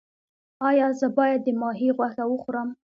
ایا زه باید د ماهي غوښه وخورم؟